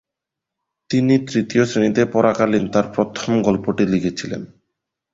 তিনি তৃতীয় শ্রেণীতে পড়াকালীন তার প্রথম গল্পটি লিখেছিলেন।